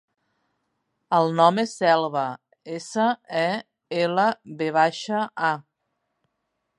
El nom és Selva: essa, e, ela, ve baixa, a.